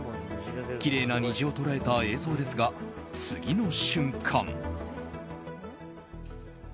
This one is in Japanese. きれいな虹を捉えた映像ですが次の瞬間。